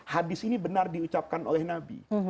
hadis ini benar diucapkan oleh nabi